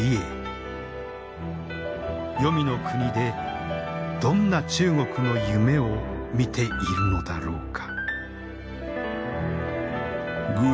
黄泉の国でどんな中国の夢を見ているのだろうか。